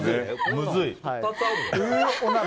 むずい。